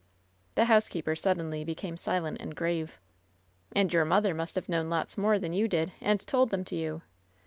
The housekeeper suddenly became silent and grave. "And. your mother must have known lots more than you did and told them to you."